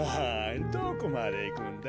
どこまでいくんだ？